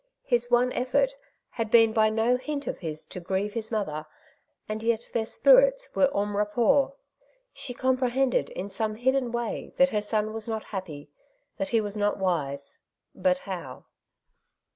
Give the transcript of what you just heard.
His one effort had been by no hint of his to grieve his mother, and yet their spirits were en rapport. She compre hended in some hidden way that her son was not happy, that he was not wise ; but how